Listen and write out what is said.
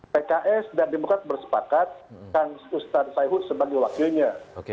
pks dan demokrat bersepakat dengan ustaz sayyidud sebagai wakilnya